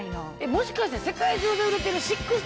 もしかして世界中で売れてる。